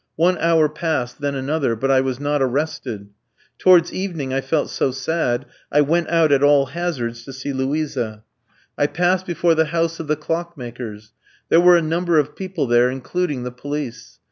One hour passed, then another, but I was not arrested. "Towards evening I felt so sad, I went out at all hazards to see Luisa; I passed before the house of the clockmaker's. There were a number of people there, including the police.